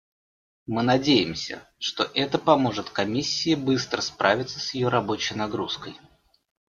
Мы надеемся, что это поможет Комиссии быстро справиться с ее рабочей нагрузкой.